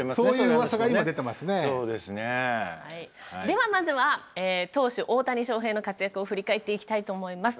ではまずは投手大谷翔平の活躍を振り返っていきたいと思います。